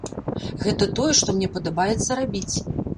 Гэта тое, што мне падабаецца рабіць.